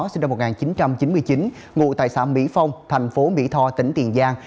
sinh năm một nghìn chín trăm chín mươi chín ngụ tại xã mỹ phong tp mỹ tho tp tiện giang